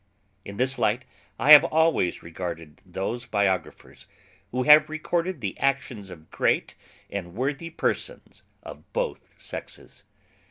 In this light I have always regarded those biographers who have recorded the actions of great and worthy persons of both sexes.